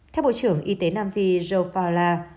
theo bộ trưởng y tế nam phi joe fowler